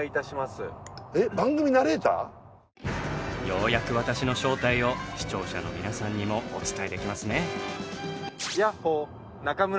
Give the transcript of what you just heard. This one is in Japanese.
ようやく私の正体を視聴者の皆さんにもお伝えできますね。